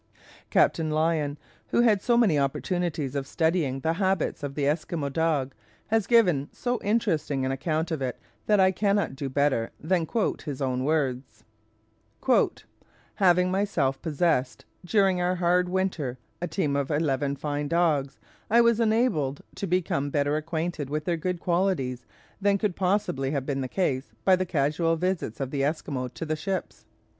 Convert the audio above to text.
Captain Lyon, who had so many opportunities of studying the habits of the Esquimaux dog, has given so interesting an account of it that I cannot do better than quote his own words: "Having myself possessed, during our hard winter, a team of eleven fine dogs, I was enabled to become better acquainted with their good qualities than could possibly have been the case by the casual visits of the Esquimaux to the ships.